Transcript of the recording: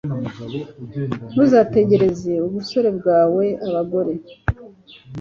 Ntuzategeze ubusore bwawe abagore